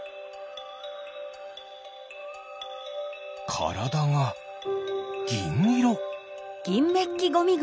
からだがぎんいろ。